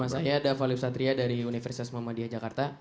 nama saya davalif satria dari universitas mamadiah jakarta